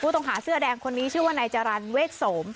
ต้องหาเสื้อแดงคนนี้ชื่อว่านายจรรย์เวทสม